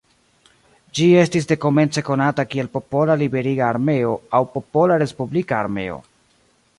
Ĝi estis dekomence konata kiel "Popola Liberiga Armeo" aŭ "Popola Respublika Armeo".